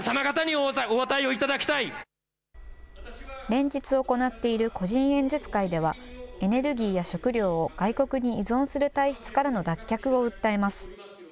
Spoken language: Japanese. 連日行っている個人演説会では、エネルギーや食料を、外国に依存する体質からの脱却を訴えます。